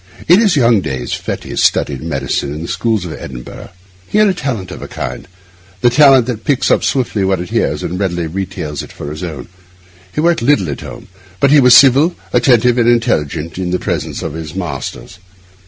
In his young days Fettes studied medicine in the schools of Edinburgh. He had talent of a kind, the talent that picks up swiftly what it hears and readily retails it for its own. He worked little at home; but he was civil, attentive, and intelligent in the presence of his masters.